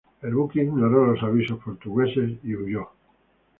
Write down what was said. El buque ignoró los avisos portugueses y huyó.